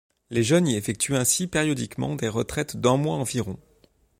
Les jeunes y effectuent ainsi périodiquement des retraites d’un mois environ.